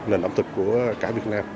nền ẩm thực của cả việt nam